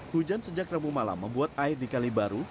hujan sejak rabu malam membuat air di kalibaru